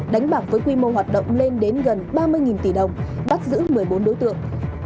đánh bạc với quy mô hoạt động lên đến gần ba mươi tỷ đồng bắt giữ một mươi bốn đối tượng